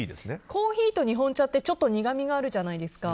コーヒーと日本茶ってちょっと苦みがあるじゃないですか。